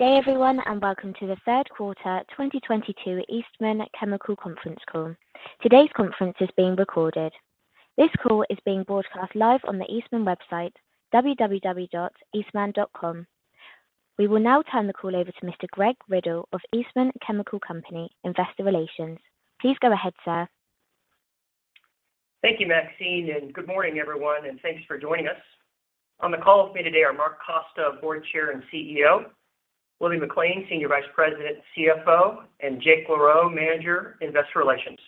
Good day, everyone, and welcome to the Third Quarter 2022 Eastman Chemical Conference Call. Today's conference is being recorded. This call is being broadcast live on the Eastman website, www.eastman.com. We will now turn the call over to Mr. Greg Riddle of Eastman Chemical Company, Investor Relations. Please go ahead, sir. Thank you, Maxine, and good morning, everyone, and thanks for joining us. On the call with me today are Mark Costa, Board Chair and CEO, Willie McLain, Senior Vice President and CFO, and Jake LaRoe, Manager, Investor Relations.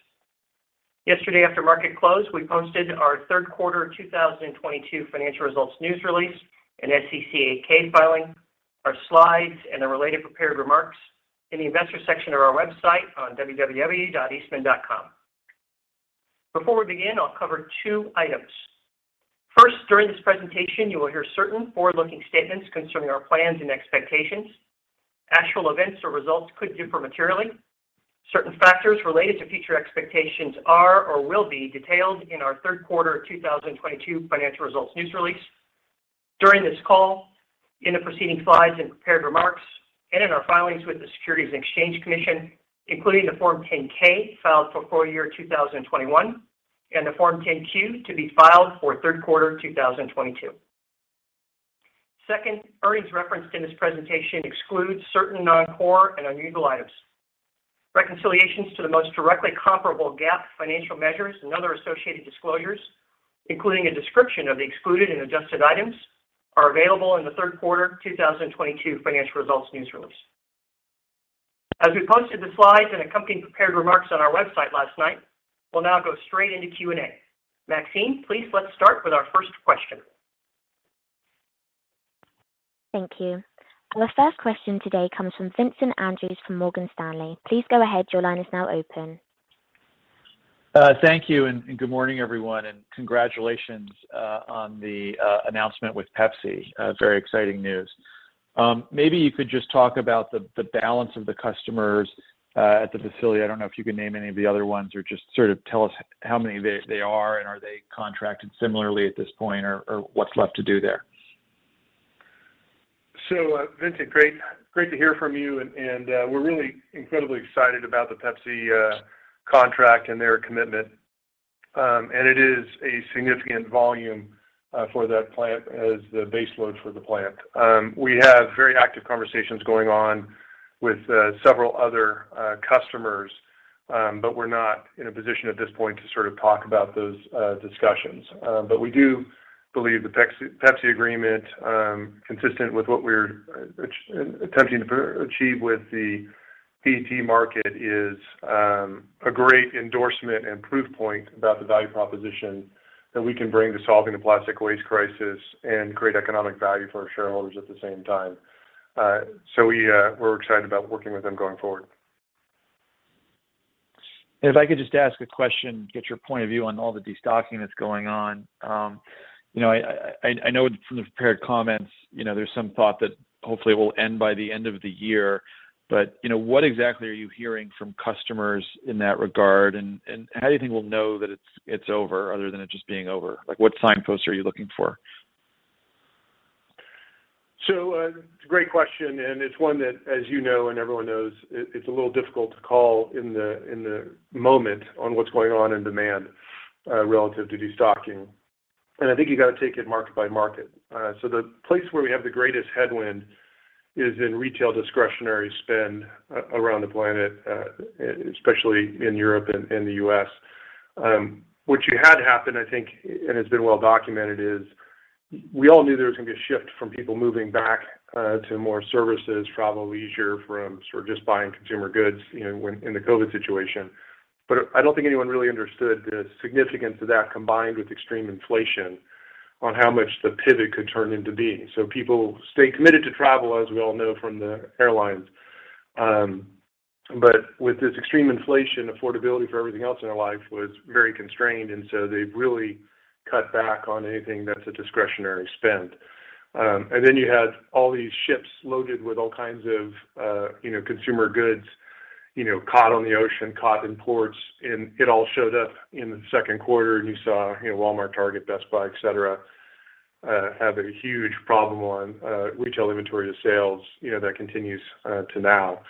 Yesterday after market close, we posted our third quarter 2022 financial results news release and SEC 8-K filing, our slides, and the related prepared remarks in the investor section of our website on www.eastman.com. Before we begin, I'll cover two items. First, during this presentation, you will hear certain forward-looking statements concerning our plans and expectations. Actual events or results could differ materially. Certain factors related to future expectations are or will be detailed in our third quarter 2022 financial results news release. During this call, in the preceding slides and prepared remarks, and in our filings with the Securities and Exchange Commission, including the Form 10-K filed for full year 2021 and the Form 10-Q to be filed for third quarter 2022. Second, earnings referenced in this presentation excludes certain non-core and unusual items. Reconciliations to the most directly comparable GAAP financial measures and other associated disclosures, including a description of the excluded and adjusted items, are available in the third quarter 2022 financial results news release. As we posted the slides and accompanying prepared remarks on our website last night, we'll now go straight into Q&A. Maxine, please let's start with our first question. Thank you. Our first question today comes from Vincent Andrews from Morgan Stanley. Please go ahead. Your line is now open. Thank you and good morning, everyone, and congratulations on the announcement with Pepsi. Very exciting news. Maybe you could just talk about the balance of the customers at the facility. I don't know if you can name any of the other ones or just sort of tell us how many they are and are they contracted similarly at this point or what's left to do there. Vincent, great to hear from you and we're really incredibly excited about the Pepsi contract and their commitment. It is a significant volume for that plant as the base load for the plant. We have very active conversations going on with several other customers, but we're not in a position at this point to sort of talk about those discussions. We do believe the Pepsi agreement, consistent with what we're attempting to achieve with the PET market, is a great endorsement and proof point about the value proposition that we can bring to solving the plastic waste crisis and create economic value for our shareholders at the same time. We're excited about working with them going forward. If I could just ask a question, get your point of view on all the destocking that's going on. You know, I know from the prepared comments, you know, there's some thought that hopefully it will end by the end of the year. You know, what exactly are you hearing from customers in that regard? How do you think we'll know that it's over other than it just being over? Like, what signposts are you looking for? It's a great question, and it's one that, as you know and everyone knows, it's a little difficult to call in the moment on what's going on in demand relative to destocking. I think you got to take it market by market. The place where we have the greatest headwind is in retail discretionary spend around the planet, especially in Europe and the US. What you had happen, I think, and has been well documented, is we all knew there was gonna be a shift from people moving back to more services, travel, leisure from sort of just buying consumer goods, you know, in the COVID situation. I don't think anyone really understood the significance of that combined with extreme inflation on how much the pivot could turn into being. People stay committed to travel, as we all know from the airlines. With this extreme inflation, affordability for everything else in their life was very constrained, and so they've really cut back on anything that's a discretionary spend. Then you had all these ships loaded with all kinds of, you know, consumer goods, you know, caught on the ocean, caught in ports, and it all showed up in the second quarter. You saw, you know, Walmart, Target, Best Buy, et cetera, have a huge problem on retail inventory to sales, you know, that continues to now.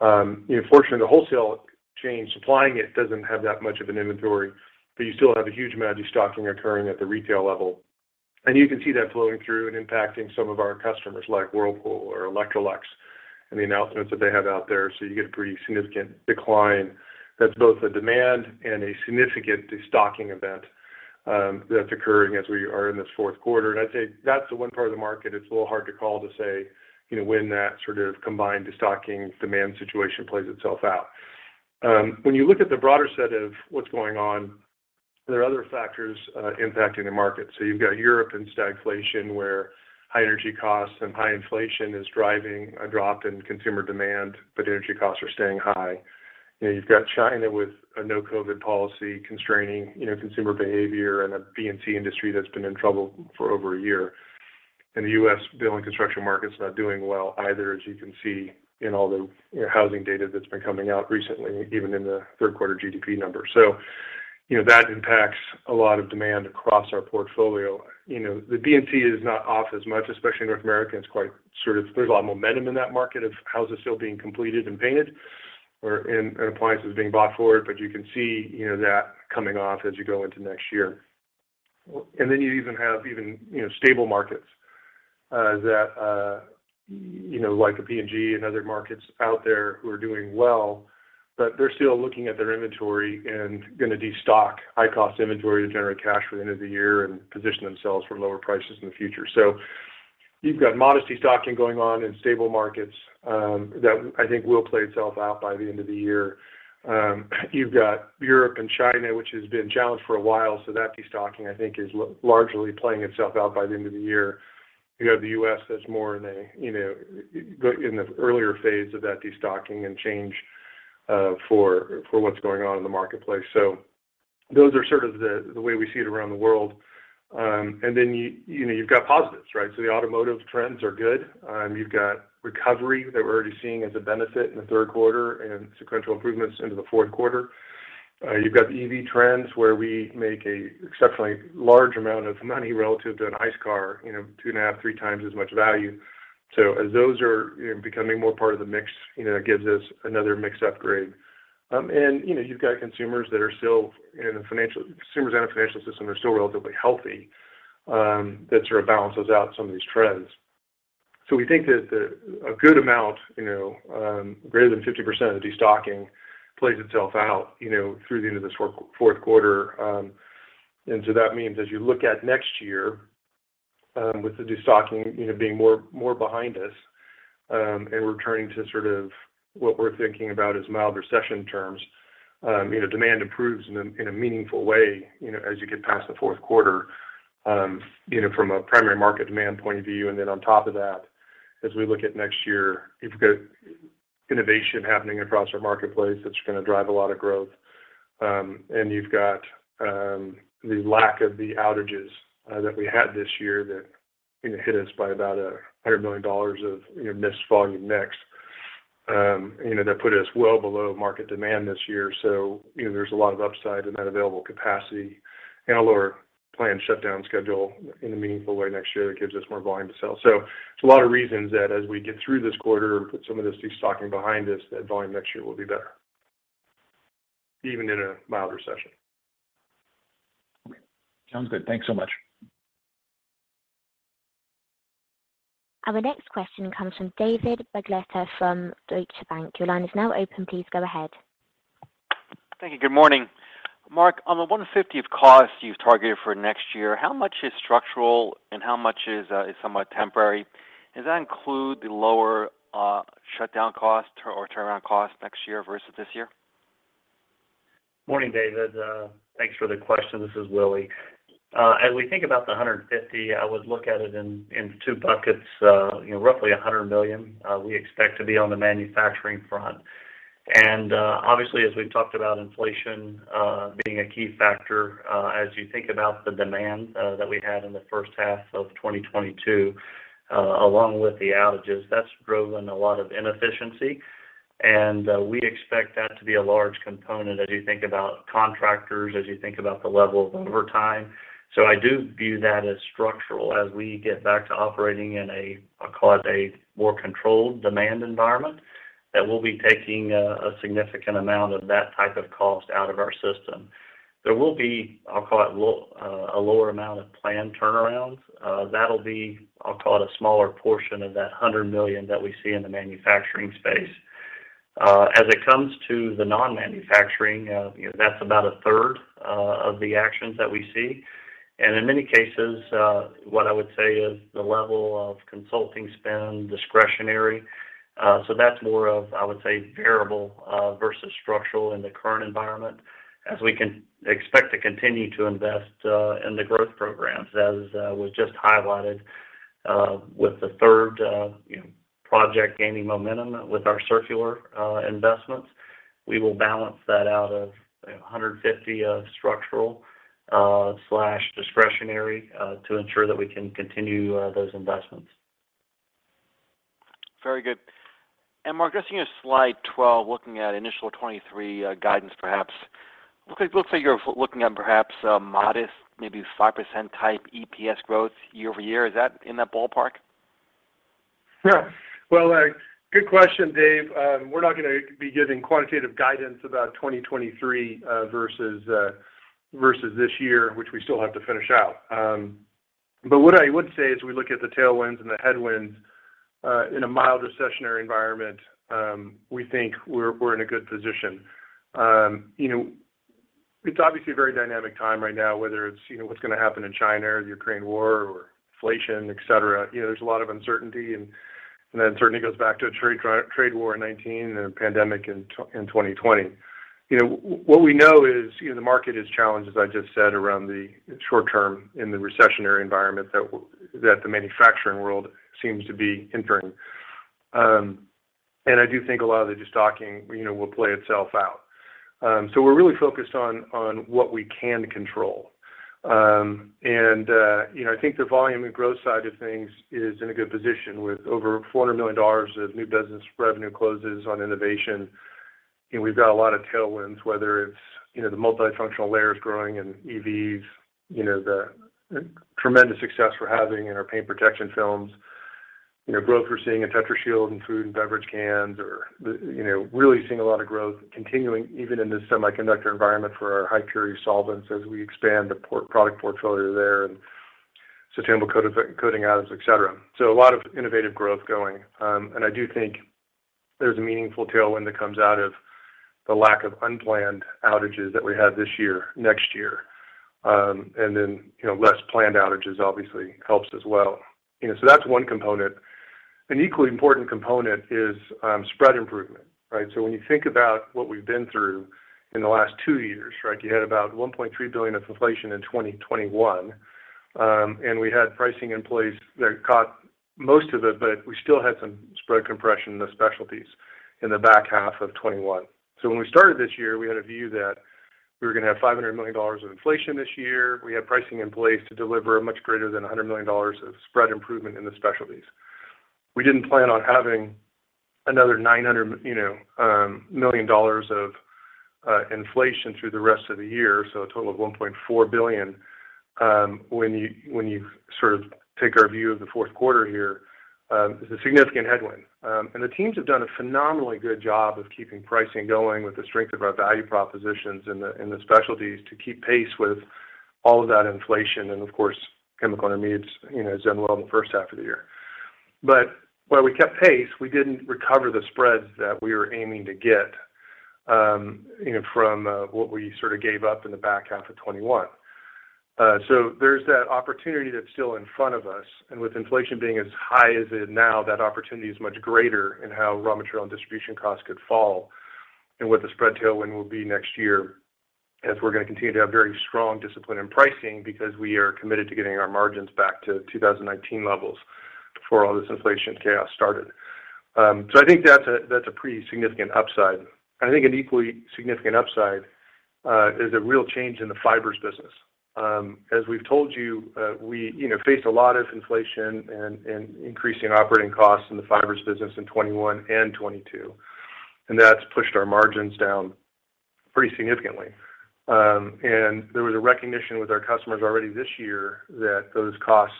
You know, fortunately, the wholesale chain supplying it doesn't have that much of an inventory, but you still have a huge amount of destocking occurring at the retail level. You can see that flowing through and impacting some of our customers like Whirlpool or Electrolux and the announcements that they have out there. You get a pretty significant decline that's both a demand and a significant destocking event, that's occurring as we are in this fourth quarter. I'd say that's the one part of the market that's a little hard to call to say, you know, when that sort of combined destocking demand situation plays itself out. When you look at the broader set of what's going on, there are other factors impacting the market. You've got Europe in stagflation, where high energy costs and high inflation is driving a drop in consumer demand, but energy costs are staying high. You know, you've got China with a no COVID policy constraining, you know, consumer behavior and a B&C industry that's been in trouble for over a year. The U.S. building construction market's not doing well either, as you can see in all the, you know, housing data that's been coming out recently, even in the third quarter GDP numbers. You know, that impacts a lot of demand across our portfolio. You know, the D&C is not off as much, especially North America. There's a lot of momentum in that market of houses still being completed and painted or and appliances being bought for it. You can see, you know, that coming off as you go into next year. You even have stable markets that you know like a P&G and other markets out there who are doing well, but they're still looking at their inventory and gonna destock high cost inventory to generate cash for the end of the year and position themselves for lower prices in the future. You've got modest destocking going on in stable markets that I think will play itself out by the end of the year. You've got Europe and China, which has been challenged for a while, so that destocking, I think, is largely playing itself out by the end of the year. You have the US that's more in a you know in the earlier phase of that destocking and change for what's going on in the marketplace. Those are sort of the way we see it around the world. You know, you've got positives, right? The automotive trends are good. You've got recovery that we're already seeing as a benefit in the third quarter and sequential improvements into the fourth quarter. You've got the EV trends where we make an exceptionally large amount of money relative to an ICE car, you know, 2.5, 3x as much value. As those are, you know, becoming more part of the mix, you know, it gives us another mix upgrade. You know, you've got consumers in a financial system that are still relatively healthy, that sort of balances out some of these trends. We think that a good amount, you know, greater than 50% of the destocking plays itself out, you know, through the end of this fourth quarter. That means as you look at next year, with the destocking, you know, being more behind us, and returning to sort of what we're thinking about as mild recession terms, you know, demand improves in a meaningful way, you know, as you get past the fourth quarter, you know, from a primary market demand point of view. On top of that, as we look at next year, you've got innovation happening across our marketplace that's gonna drive a lot of growth. You've got the lack of the outages that we had this year that, you know, hit us by about $100 million of, you know, missed volume mix, you know, that put us well below market demand this year. You know, there's a lot of upside in that available capacity and a lower planned shutdown schedule in a meaningful way next year that gives us more volume to sell. It's a lot of reasons that as we get through this quarter, put some of this destocking behind us, that volume next year will be better even in a mild recession. Sounds good. Thanks so much. Our next question comes from David Begleiter from Deutsche Bank. Your line is now open. Please go ahead. Thank you. Good morning. Mark, on the $150 of costs you've targeted for next year, how much is structural and how much is somewhat temporary? Does that include the lower shutdown cost or turnaround cost next year versus this year? Morning, David. Thanks for the question. This is Willie. As we think about the $150 million, I would look at it in two buckets. You know, roughly $100 million, we expect to be on the manufacturing front. Obviously, as we've talked about inflation being a key factor, as you think about the demand that we had in the first half of 2022, along with the outages, that's driven a lot of inefficiency. We expect that to be a large component as you think about contractors, as you think about the level of overtime. I do view that as structural as we get back to operating in a, I'll call it a more controlled demand environment, that we'll be taking a significant amount of that type of cost out of our system. There will be, I'll call it a lower amount of planned turnarounds. That'll be, I'll call it a smaller portion of that $100 million that we see in the manufacturing space. As it comes to the non-manufacturing, you know, that's about a third of the actions that we see. In many cases, what I would say is the level of consulting spend discretionary. So that's more of, I would say, variable versus structural in the current environment. We can expect to continue to invest in the growth programs, as was just highlighted with the third, you know, project gaining momentum with our circular investments. We will balance that out of 150 of structural / discretionary to ensure that we can continue those investments. Very good. Mark, just in your slide 12, looking at initial 2023 guidance, perhaps. Look, you're looking at perhaps a modest maybe 5% type EPS growth year-over-year. Is that in that ballpark? Yeah. Well, good question, Dave. We're not gonna be giving quantitative guidance about 2023 versus this year, which we still have to finish out. What I would say is we look at the tailwinds and the headwinds in a mild recessionary environment. We think we're in a good position. You know, it's obviously a very dynamic time right now, whether it's what's gonna happen in China or the Ukraine war or inflation, et cetera. You know, there's a lot of uncertainty and that certainly goes back to a trade war in 2019 and a pandemic in 2020. You know, what we know is the market is challenged, as I just said, around the short term in the recessionary environment that the manufacturing world seems to be entering. I do think a lot of the destocking, you know, will play itself out. We're really focused on what we can control. You know, I think the volume and growth side of things is in a good position with over $400 million of new business revenue closing on innovation. We've got a lot of tailwinds, whether it's, you know, the multifunctional layers growing in EVs, you know, the tremendous success we're having in our paint protection films, you know, growth we're seeing in Tetrashield and food and beverage cans or, you know, really seeing a lot of growth continuing even in this semiconductor environment for our high-purity solvents as we expand the product portfolio there and sustainable coatings items, etc. A lot of innovative growth going. I do think there's a meaningful tailwind that comes out of the lack of unplanned outages that we have this year, next year, and then, you know, less planned outages obviously helps as well. You know, that's one component. An equally important component is spread improvement, right? When you think about what we've been through in the last two years, right, you had about $1.3 billion of inflation in 2021, and we had pricing in place that caught most of it, but we still had some spread compression in the specialties in the back half of 2021. When we started this year, we had a view that we were gonna have $500 million of inflation this year. We had pricing in place to deliver much greater than $100 million of spread improvement in the specialties. We didn't plan on having another $900 million, you know, of inflation through the rest of the year, so a total of $1.4 billion when you sort of take our view of the fourth quarter here is a significant headwind. The teams have done a phenomenally good job of keeping pricing going with the strength of our value propositions in the specialties to keep pace with all of that inflation. Of course, Chemical Intermediates, you know, has done well in the first half of the year. While we kept pace, we didn't recover the spreads that we were aiming to get, you know, from what we sort of gave up in the back half of 2021. There's that opportunity that's still in front of us, and with inflation being as high as it is now, that opportunity is much greater in how raw material and distribution costs could fall and what the spread tailwind will be next year as we're gonna continue to have very strong discipline in pricing because we are committed to getting our margins back to 2019 levels before all this inflation chaos started. I think that's a pretty significant upside. I think an equally significant upside is a real change in the fibers business. As we've told you, we, you know, faced a lot of inflation and increasing operating costs in the fibers business in 2021 and 2022, and that's pushed our margins down pretty significantly. There was a recognition with our customers already this year that those costs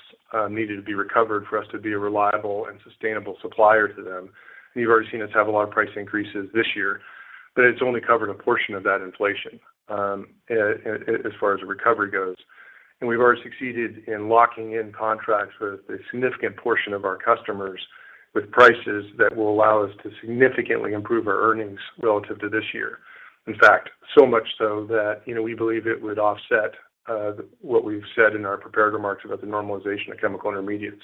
needed to be recovered for us to be a reliable and sustainable supplier to them. You've already seen us have a lot of price increases this year, but it's only covered a portion of that inflation, as far as the recovery goes. We've already succeeded in locking in contracts with a significant portion of our customers with prices that will allow us to significantly improve our earnings relative to this year. In fact, so much so that, you know, we believe it would offset what we've said in our prepared remarks about the normalization of Chemical Intermediates.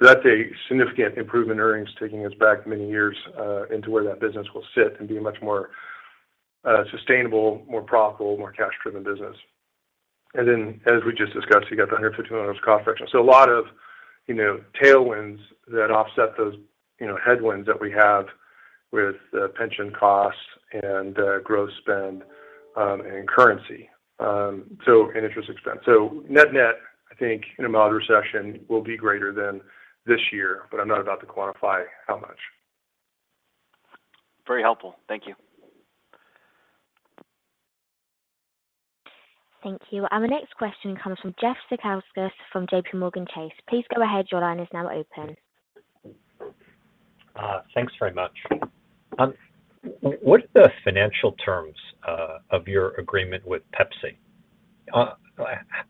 That's a significant improvement in earnings taking us back many years into where that business will sit and be a much more sustainable, more profitable, more cash-driven business. As we just discussed, you got the $150 million cost reduction. A lot of, you know, tailwinds that offset those, you know, headwinds that we have with pension costs and growth spend and currency and interest expense. Net-net, I think, in a mild recession will be greater than this year, but I'm not about to quantify how much. Very helpful. Thank you. Thank you. The next question comes from Jeffrey Zekauskas from JPMorgan Chase. Please go ahead. Your line is now open. Thanks very much. What are the financial terms of your agreement with Pepsi?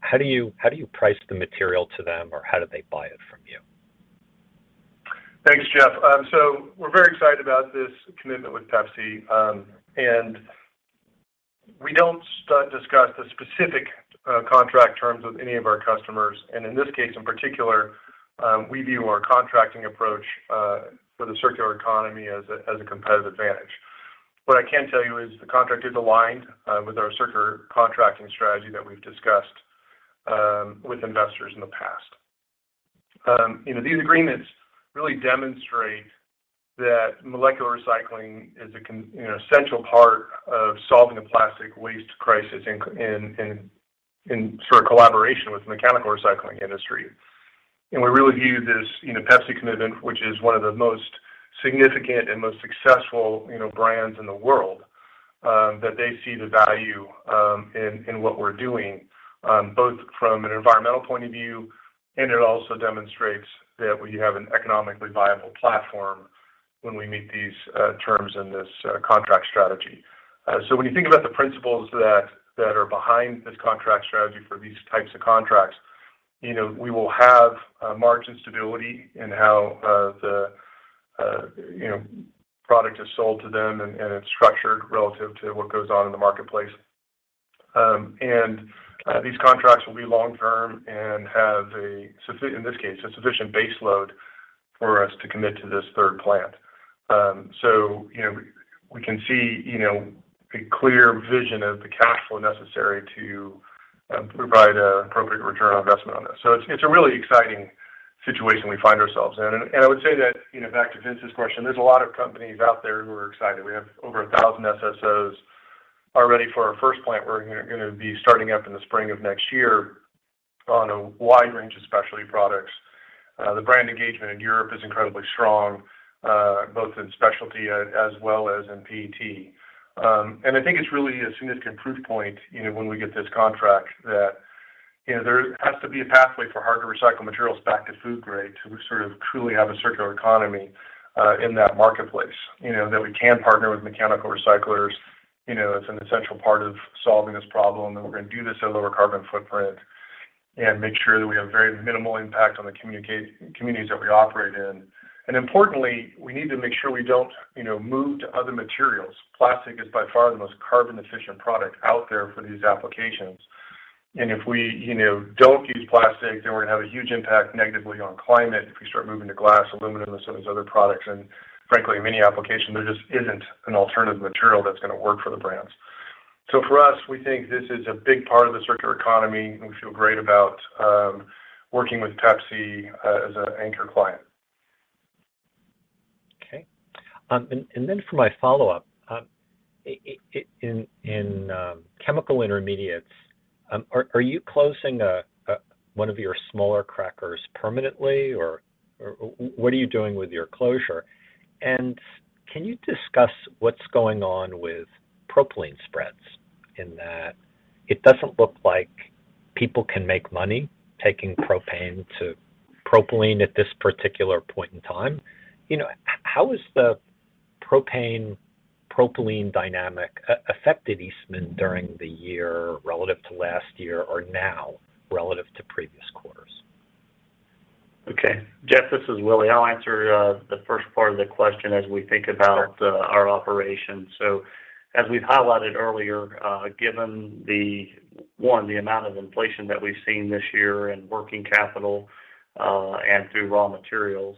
How do you price the material to them, or how do they buy it from you? Thanks, Jeff. We're very excited about this commitment with Pepsi. We don't discuss the specific contract terms with any of our customers. In this case, in particular, we view our contracting approach for the circular economy as a competitive advantage. What I can tell you is the contract is aligned with our circular contracting strategy that we've discussed with investors in the past. You know, these agreements really demonstrate that molecular recycling is a you know, essential part of solving the plastic waste crisis in sort of collaboration with the mechanical recycling industry. We really view this, you know, Pepsi commitment, which is one of the most significant and most successful, you know, brands in the world, that they see the value in what we're doing both from an environmental point of view, and it also demonstrates that we have an economically viable platform when we meet these terms in this contract strategy. When you think about the principles that are behind this contract strategy for these types of contracts, you know, we will have margin stability in how the product is sold to them and it's structured relative to what goes on in the marketplace. These contracts will be long term and have, in this case, a sufficient baseload for us to commit to this third plant. You know, we can see a clear vision of the capital necessary to provide an appropriate return on investment on this. It's a really exciting situation we find ourselves in. I would say that, you know, back to Vince's question, there's a lot of companies out there who are excited. We have over 1,000 SSOs already for our first plant. We're gonna be starting up in the spring of next year on a wide range of specialty products. The brand engagement in Europe is incredibly strong, both in specialty as well as in PET. I think it's really a significant proof point, you know, when we get this contract that, you know, there has to be a pathway for hard to recycle materials back to food grade to sort of truly have a circular economy in that marketplace, you know, that we can partner with mechanical recyclers, you know, as an essential part of solving this problem, that we're gonna do this at a lower carbon footprint and make sure that we have very minimal impact on the communities that we operate in. Importantly, we need to make sure we don't, you know, move to other materials. Plastic is by far the most carbon efficient product out there for these applications. If we, you know, don't use plastic, then we're gonna have a huge impact negatively on climate if we start moving to glass, aluminum, and some of those other products. Frankly, in many applications, there just isn't an alternative material that's gonna work for the brands. For us, we think this is a big part of the circular economy, and we feel great about working with Pepsi as an anchor client. Okay. For my follow-up, in Chemical Intermediates, are you closing one of your smaller crackers permanently or what are you doing with your closure? Can you discuss what's going on with propylene spreads, in that it doesn't look like people can make money taking propane to propylene at this particular point in time? You know, how is the propane/propylene dynamic affected Eastman during the year relative to last year or now relative to previous quarters? Okay. Jeff, this is Willie. I'll answer the first part of the question as we think about our operations. As we've highlighted earlier, given the one, the amount of inflation that we've seen this year in working capital and through raw materials,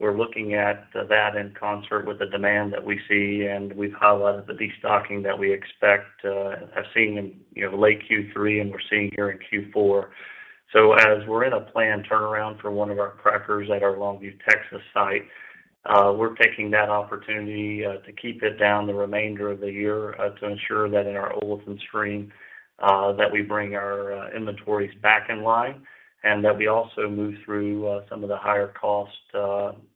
we're looking at that in concert with the demand that we see, and we've highlighted the destocking that we expect have seen in you know late Q3 and we're seeing here in Q4. As we're in a planned turnaround for one of our crackers at our Longview, Texas site, we're taking that opportunity to keep it down the remainder of the year to ensure that in our olefin stream that we bring our inventories back in line and that we also move through some of the higher cost,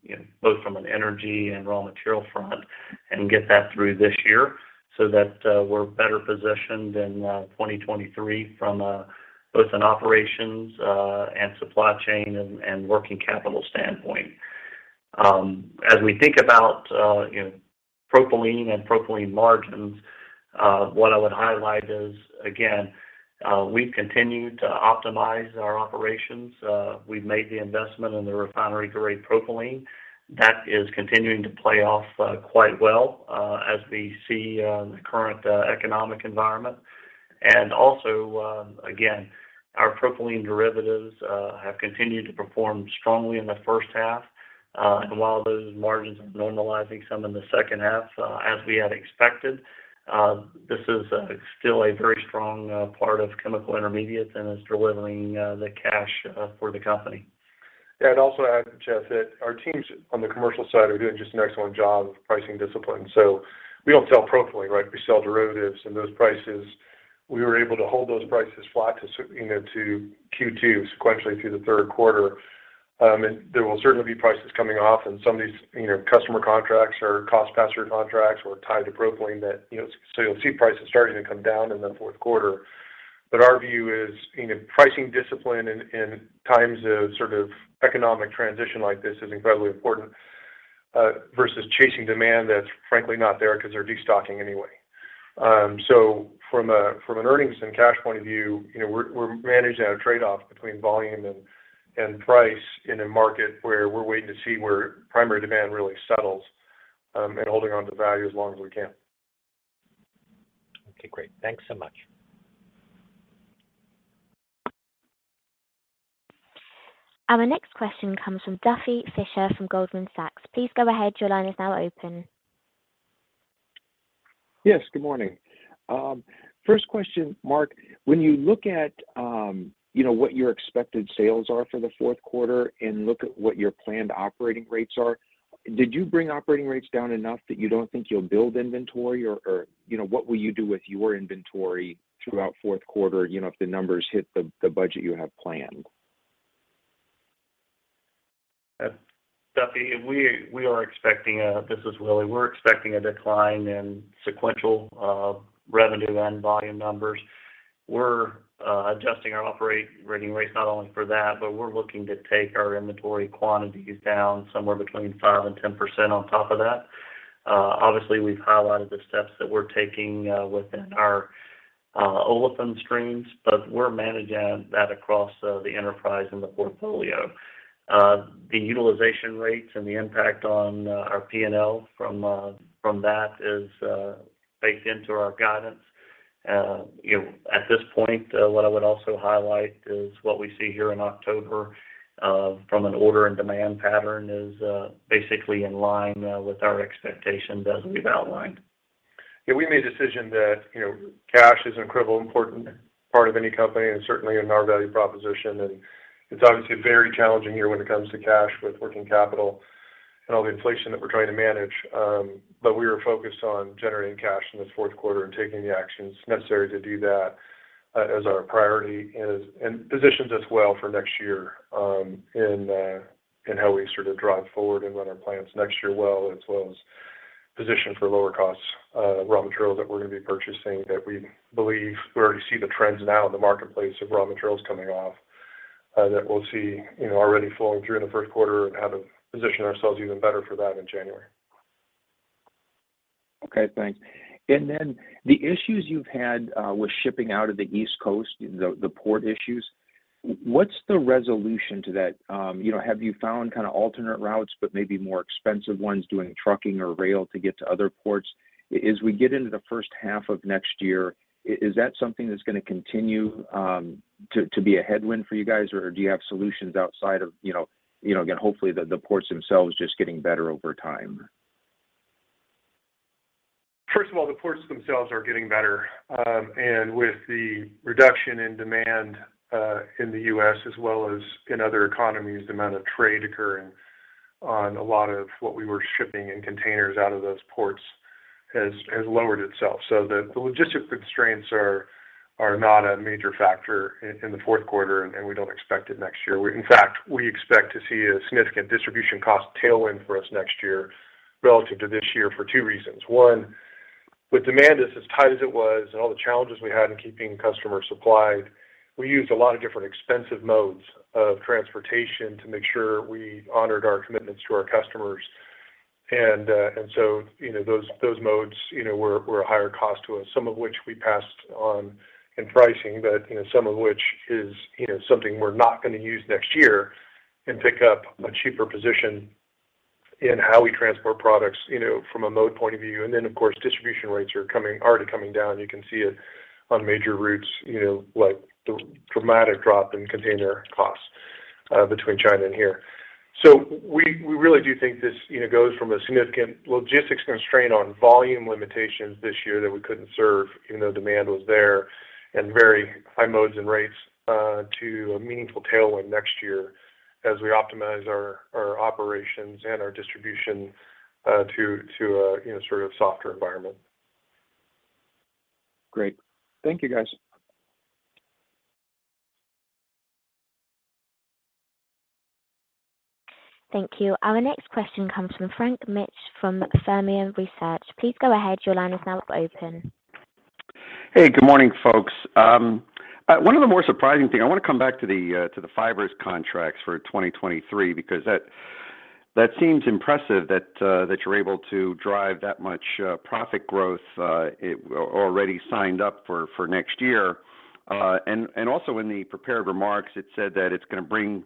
you know, both from an energy and raw material front and get that through this year so that we're better positioned in 2023 from both an operations and supply chain and working capital standpoint. As we think about, you know, propylene and propylene margins, what I would highlight is, again, we've continued to optimize our operations. We've made the investment in the refinery grade propylene. That is continuing to play out quite well as we see the current economic environment. Also, again, our propylene derivatives have continued to perform strongly in the first half. While those margins are normalizing some in the second half as we had expected, this is still a very strong part of Chemical Intermediates and is delivering the cash for the company. Yeah. I'd also add, Jeff, that our teams on the commercial side are doing just an excellent job with pricing discipline. We don't sell propylene, right? We sell derivatives, and those prices, we were able to hold those prices flat to, you know, to Q2 sequentially through the third quarter. There will certainly be prices coming off, and some of these, you know, customer contracts are cost pass-through contracts or tied to propylene that, you know, so you'll see prices starting to come down in the fourth quarter. Our view is, you know, pricing discipline in times of sort of economic transition like this is incredibly important, versus chasing demand that's frankly not there 'cause they're destocking anyway. From an earnings and cash point of view, you know, we're managing at a trade-off between volume and price in a market where we're waiting to see where primary demand really settles, and holding onto value as long as we can. Okay. Great. Thanks so much. Our next question comes from Duffy Fischer from Goldman Sachs. Please go ahead. Your line is now open. Yes, good morning. First question, Mark. When you look at, you know, what your expected sales are for the fourth quarter and look at what your planned operating rates are, did you bring operating rates down enough that you don't think you'll build inventory? Or, you know, what will you do with your inventory throughout fourth quarter, you know, if the numbers hit the budget you have planned? Duffy, we are expecting a decline in sequential revenue and volume numbers. This is Willie. We're expecting a decline in sequential revenue and volume numbers. We're adjusting our operating rates not only for that, but we're looking to take our inventory quantities down somewhere between 5% and 10% on top of that. Obviously, we've highlighted the steps that we're taking within our olefin streams, but we're managing that across the enterprise and the portfolio. The utilization rates and the impact on our P&L from that is baked into our guidance. You know, at this point, what I see here in October from an order and demand pattern is basically in line with our expectations as we've outlined. Yeah, we made a decision that, you know, cash is an incredibly important part of any company, and certainly in our value proposition. It's obviously a very challenging year when it comes to cash with working capital and all the inflation that we're trying to manage. We were focused on generating cash in this fourth quarter and taking the actions necessary to do that, as our priority is, and positions us well for next year, in how we sort of drive forward and run our plans next year well, as well as position for lower costs, raw materials that we're gonna be purchasing that we believe we already see the trends now in the marketplace of raw materials coming off, that we'll see, you know, already flowing through in the first quarter and have positioned ourselves even better for that in January. Okay, thanks. Then the issues you've had with shipping out of the East Coast, the port issues, what's the resolution to that? You know, have you found kinda alternate routes, but maybe more expensive ones doing trucking or rail to get to other ports? As we get into the first half of next year, is that something that's gonna continue to be a headwind for you guys, or do you have solutions outside of, you know, again, hopefully the ports themselves just getting better over time? First of all, the ports themselves are getting better. With the reduction in demand in the U.S. as well as in other economies, the amount of trade occurring on a lot of what we were shipping in containers out of those ports has lowered itself. The logistic constraints are not a major factor in the fourth quarter, and we don't expect it next year. In fact, we expect to see a significant distribution cost tailwind for us next year relative to this year for two reasons. One, with demand as tight as it was and all the challenges we had in keeping customers supplied, we used a lot of different expensive modes of transportation to make sure we honored our commitments to our customers. You know, those modes, you know, were a higher cost to us, some of which we passed on in pricing, but, you know, some of which is, you know, something we're not gonna use next year and pick up a cheaper position in how we transport products, you know, from a mode point of view. Of course, distribution rates are already coming down. You can see it on major routes, you know, like the dramatic drop in container costs between China and here. We really do think this, you know, goes from a significant logistics constraint on volume limitations this year that we couldn't serve even though demand was there and very high modes and rates to a meaningful tailwind next year as we optimize our operations and our distribution to a, you know, sort of softer environment. Great. Thank you, guys. Thank you. Our next question comes from Frank Mitsch from Fermium Research. Please go ahead. Your line is now open. Hey, good morning, folks. One of the more surprising thing, I wanna come back to the fibers contracts for 2023 because that seems impressive that you're able to drive that much profit growth already signed up for next year. And also in the prepared remarks, it said that it's gonna bring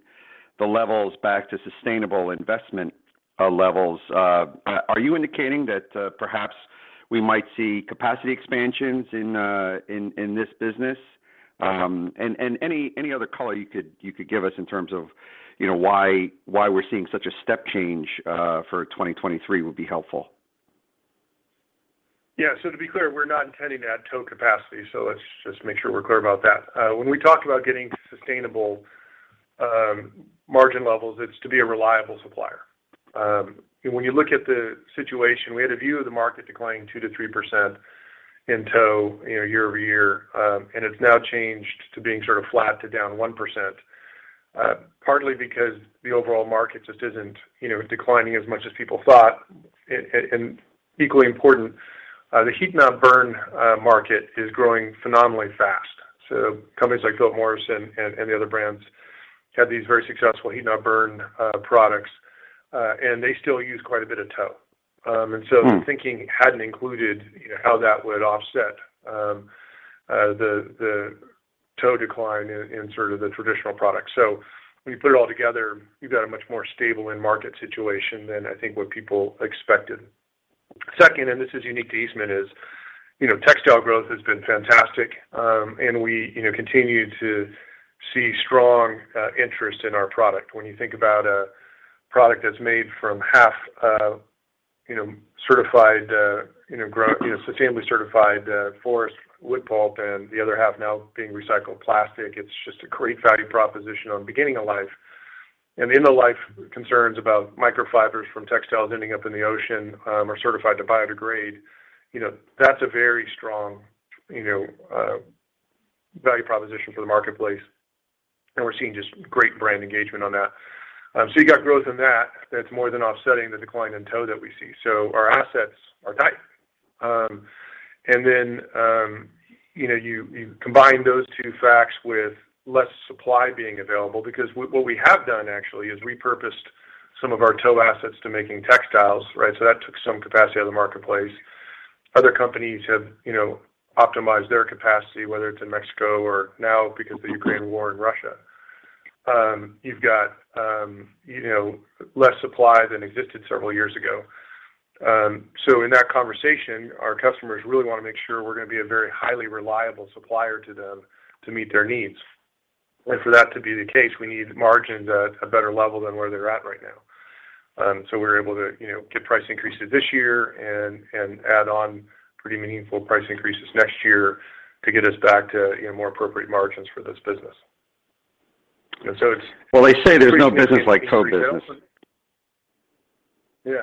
the levels back to sustainable investment levels. Are you indicating that perhaps we might see capacity expansions in this business? And any other color you could give us in terms of, you know, why we're seeing such a step change for 2023 would be helpful. Yeah. To be clear, we're not intending to add tow capacity, so let's just make sure we're clear about that. When we talk about getting sustainable margin levels, it's to be a reliable supplier. When you look at the situation, we had a view of the market declining 2%-3% in tow, you know, year-over-year. It's now changed to being sort of flat to down 1%, partly because the overall market just isn't, you know, declining as much as people thought. Equally important, the heat-not-burn market is growing phenomenally fast. Companies like Philip Morris and the other brands have these very successful heat-not-burn products, and they still use quite a bit of tow. Hmm The thinking hadn't included, you know, how that would offset the tow decline in sort of the traditional products. When you put it all together, you've got a much more stable end market situation than I think what people expected. Second, this is unique to Eastman, you know, textile growth has been fantastic, and we, you know, continue to see strong interest in our product. When you think about a product that's made from half, you know, certified, you know, grown, you know, sustainably certified forest wood pulp and the other half now being recycled plastic, it's just a great value proposition on beginning of life. End of life concerns about microfibers from textiles ending up in the ocean are certified to biodegrade. You know, that's a very strong, you know, value proposition for the marketplace, and we're seeing just great brand engagement on that. You got growth in that's more than offsetting the decline in tow that we see. Our assets are tight. Then, you know, you combine those two facts with less supply being available because what we have done actually is repurposed some of our tow assets to making textiles, right? That took some capacity out of the marketplace. Other companies have, you know, optimized their capacity, whether it's in Mexico or now because of the Ukraine war in Russia. You've got, you know, less supply than existed several years ago. In that conversation, our customers really wanna make sure we're gonna be a very highly reliable supplier to them to meet their needs. For that to be the case, we need margins at a better level than where they're at right now. We're able to, you know, get price increases this year and add on pretty meaningful price increases next year to get us back to, you know, more appropriate margins for this business. Well, they say there's no business like show business. Yeah.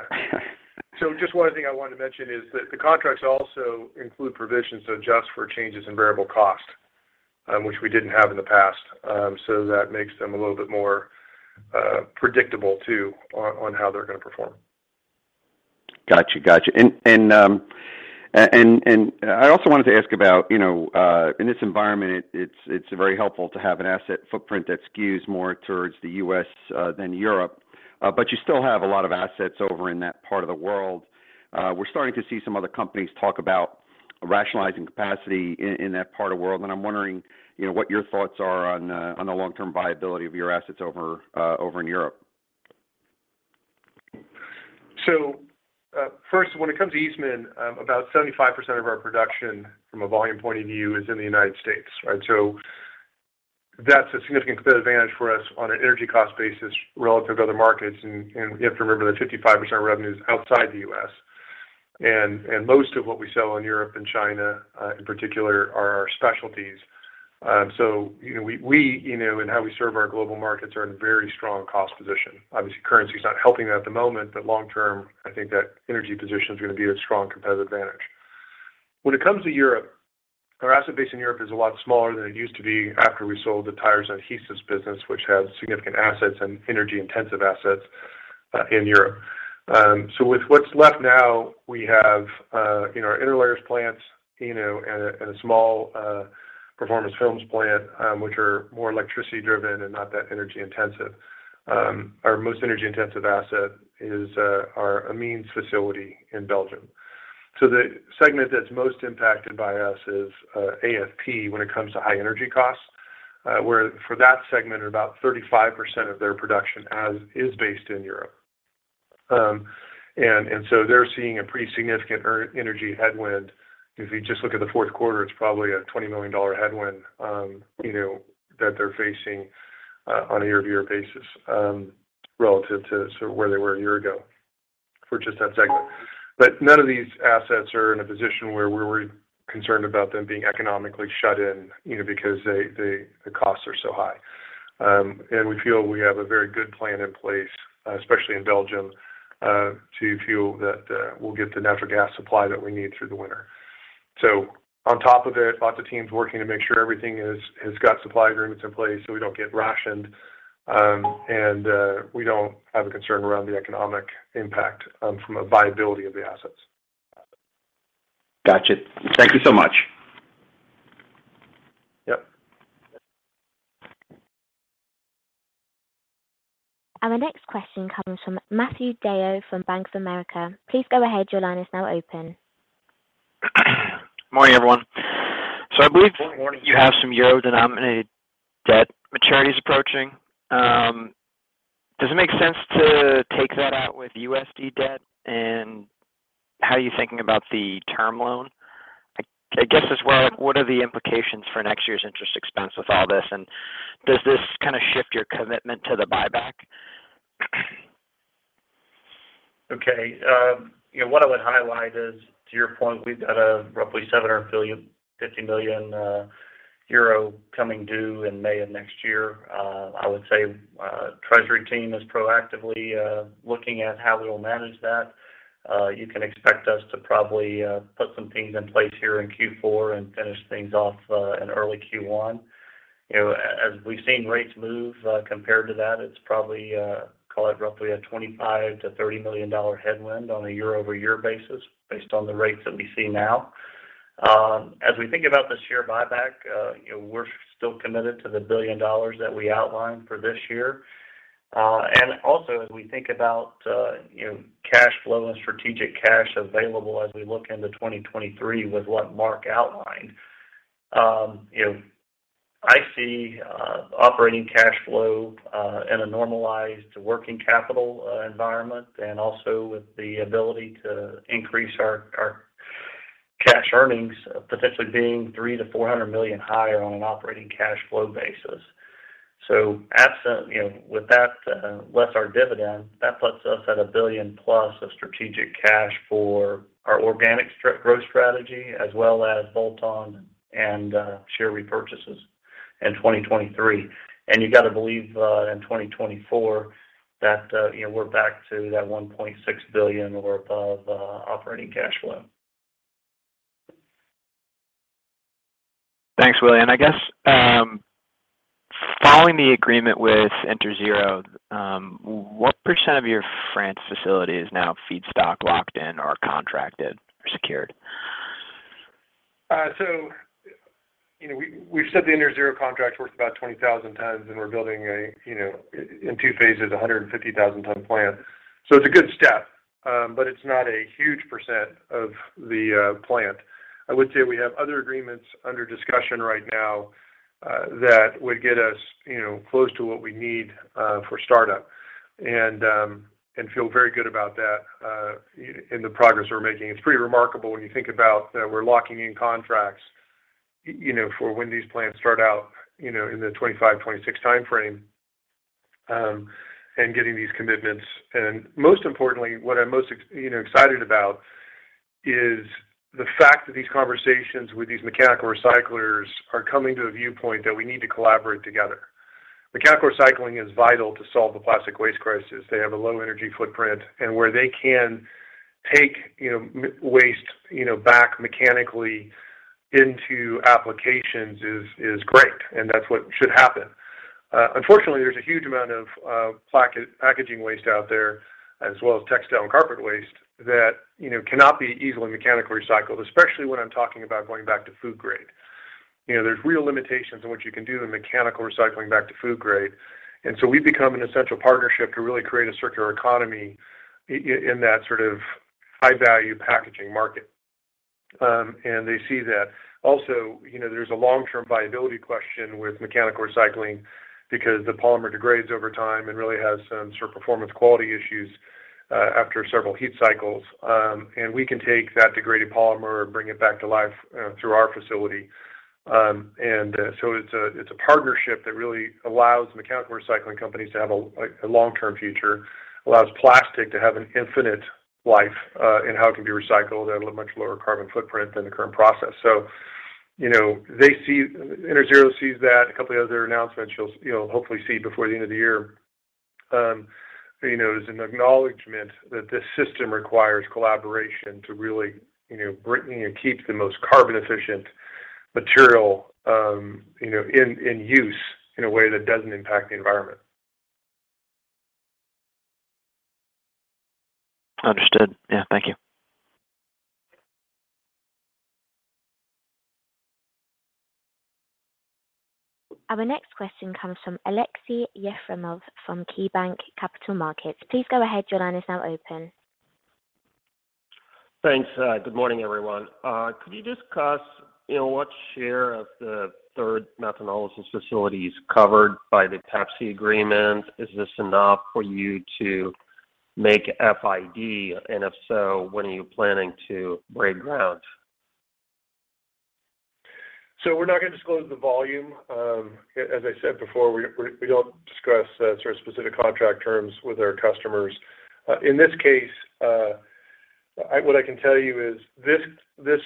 Just one thing I wanted to mention is that the contracts also include provisions to adjust for changes in variable cost, which we didn't have in the past. That makes them a little bit more predictable too on how they're gonna perform. Got you. I also wanted to ask about, you know, in this environment, it's very helpful to have an asset footprint that skews more towards the US than Europe. You still have a lot of assets over in that part of the world. We're starting to see some other companies talk about rationalizing capacity in that part of the world, and I'm wondering, you know, what your thoughts are on the long-term viability of your assets over in Europe. First, when it comes to Eastman, about 75% of our production from a volume point of view is in the United States, right? That's a significant competitive advantage for us on an energy cost basis relative to other markets. You have to remember that 55% of revenue is outside the US. Most of what we sell in Europe and China, in particular, are our specialties. You know, we you know and how we serve our global markets are in very strong cost position. Obviously, currency is not helping that at the moment, but long term, I think that energy position is gonna be a strong competitive advantage. When it comes to Europe, our asset base in Europe is a lot smaller than it used to be after we sold the tires and adhesives business, which has significant assets and energy intensive assets in Europe. With what's left now, we have, you know, our interlayers plants, you know, and a small performance films plant, which are more electricity driven and not that energy intensive. Our most energy intensive asset is our amines facility in Belgium. The segment that's most impacted by us is AFP when it comes to high energy costs, where for that segment, about 35% of their production is based in Europe. And so they're seeing a pretty significant energy headwind. If you just look at the fourth quarter, it's probably a $20 million headwind, you know, that they're facing on a year-over-year basis, relative to sort of where they were a year ago for just that segment. None of these assets are in a position where we're concerned about them being economically shut in, you know, because the costs are so high. We feel we have a very good plan in place, especially in Belgium, to fill that, we'll get the natural gas supply that we need through the winter. On top of it, lots of teams working to make sure everything has got supply agreements in place so we don't get rationed, and we don't have a concern around the economic impact from a viability of the assets. Got you. Thank you so much. Yep. The next question comes from Matthew DeYoe from Bank of America. Please go ahead. Your line is now open. Morning, everyone. I believe you have some euro-denominated debt maturities approaching. Does it make sense to take that out with USD debt, and how are you thinking about the term loan? I guess as well, what are the implications for next year's interest expense with all this? Does this kinda shift your commitment to the buyback? Okay. You know, what I would highlight is, to your point, we've got a roughly 750 million euro coming due in May of next year. I would say, treasury team is proactively looking at how we will manage that. You can expect us to probably put some things in place here in Q4 and finish things off in early Q1. You know, as we've seen rates move, compared to that, it's probably call it roughly a $25 million-$30 million headwind on a year-over-year basis based on the rates that we see now. As we think about the share buyback, you know, we're still committed to the $1 billion that we outlined for this year. As we think about, you know, cash flow and strategic cash available as we look into 2023 with what Mark outlined, I see operating cash flow in a normalized working capital environment and also with the ability to increase our cash earnings potentially being $300 million-$400 million higher on an operating cash flow basis. Absent that, less our dividend, that puts us at $1 billion+ of strategic cash for our organic growth strategy as well as bolt-on and share repurchases in 2023. You got to believe in 2024 that, you know, we're back to that $1.6 billion or above operating cash flow. Thanks, Willie. I guess, following the agreement with Interzero, what % of your France facility is now feedstock locked in or contracted or secured? You know, we've said the Interzero contract's worth about 20,000 tons, and we're building in two phases a 150,000-ton plant. It's a good step, but it's not a huge % of the plant. I would say we have other agreements under discussion right now that would get us, you know, close to what we need for startup. And feel very good about that, in the progress we're making. It's pretty remarkable when you think about that we're locking in contracts, you know, for when these plants start out, you know, in the 2025, 2026 timeframe, and getting these commitments. Most importantly, what I'm most excited about is the fact that these conversations with these mechanical recyclers are coming to a viewpoint that we need to collaborate together. Mechanical recycling is vital to solve the plastic waste crisis. They have a low energy footprint, and where they can take, you know, waste, you know, back mechanically into applications is great, and that's what should happen. Unfortunately, there's a huge amount of packaging waste out there, as well as textile and carpet waste that, you know, cannot be easily mechanically recycled, especially when I'm talking about going back to food grade. You know, there's real limitations in what you can do in mechanical recycling back to food grade. We've become an essential partnership to really create a circular economy in that sort of high-value packaging market, and they see that. Also, you know, there's a long-term viability question with mechanical recycling because the polymer degrades over time and really has some sort of performance quality issues after several heat cycles. We can take that degraded polymer and bring it back to life through our facility. It's a partnership that really allows mechanical recycling companies to have like a long-term future, allows plastic to have an infinite life in how it can be recycled at a much lower carbon footprint than the current process. So, you know, they see. Interzero sees that. A couple of other announcements you'll hopefully see before the end of the year. You know, there's an acknowledgement that this system requires collaboration to really, you know, bring and keep the most carbon efficient material, you know, in use in a way that doesn't impact the environment. Understood. Yeah. Thank you. Our next question comes from Aleksey Yefremov from KeyBanc Capital Markets. Please go ahead. Your line is now open. Thanks. Good morning, everyone. Could you discuss, you know, what share of the third methanolysis facilities covered by the Pepsi agreement, is this enough for you to make FID? If so, when are you planning to break ground? We're not gonna disclose the volume. As I said before, we don't discuss sort of specific contract terms with our customers. In this case, what I can tell you is this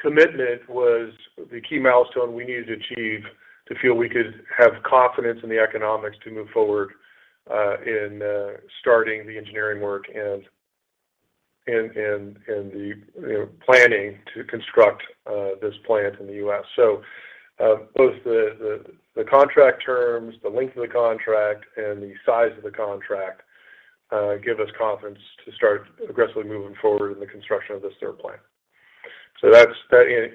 commitment was the key milestone we needed to achieve to feel we could have confidence in the economics to move forward in starting the engineering work and the, you know, planning to construct this plant in the US. Both the contract terms, the length of the contract, and the size of the contract give us confidence to start aggressively moving forward in the construction of this third plant. That's,